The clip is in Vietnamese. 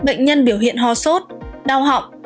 bệnh nhân biểu hiện ho sốt đau họng